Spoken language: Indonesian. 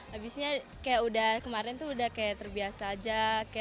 habisnya kayak sudah kemarin itu sudah kayak terbiasa saja